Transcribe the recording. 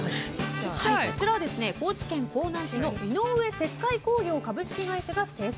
こちらは高知県香南市の井上石灰工業株式会社が生産。